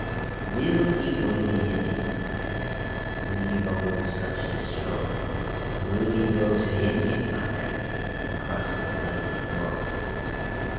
WILL ye go to the Indies, my Mary, And leave auld Scotia's shore? Will ye go to the Indies, my Mary, Across th' Atlantic roar?